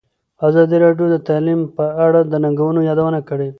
ازادي راډیو د تعلیم په اړه د ننګونو یادونه کړې.